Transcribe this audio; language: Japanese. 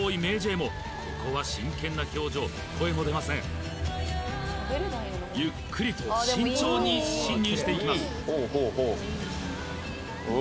．もここは真剣な表情声も出ませんゆっくりと慎重に進入していきます